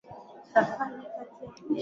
vijana hao walikuwa marafiki kwa muda huo